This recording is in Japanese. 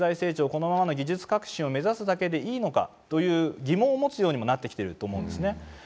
このままの技術革新を目指すだけでいいのかという疑問を持つようにもなってきていると思うんですよね。